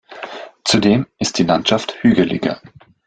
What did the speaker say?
Zudem ist die Landschaft hügeliger.